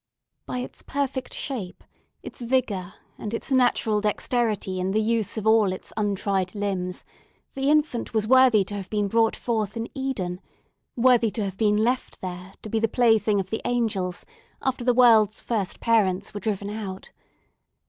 By its perfect shape, its vigour, and its natural dexterity in the use of all its untried limbs, the infant was worthy to have been brought forth in Eden: worthy to have been left there to be the plaything of the angels after the world's first parents were driven out.